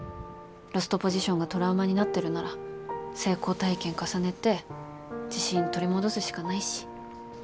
ロストポジションがトラウマになってるなら成功体験重ねて自信取り戻すしかないし。